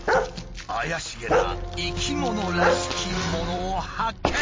怪しげな生き物らしきものを発見！